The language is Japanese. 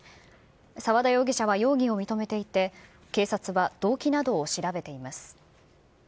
沢田容疑者は容疑を認めていて、警察は動機などを調べています。